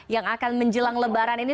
yang akan menjelang lebaran ini